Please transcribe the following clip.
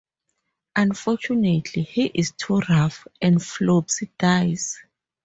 Unfortunately, he is too rough, and Flopsy dies.